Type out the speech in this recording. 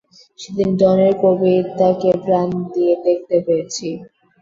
সেদিন ডনের কবিতাকে প্রাণ দিয়ে দেখতে পেয়েছি।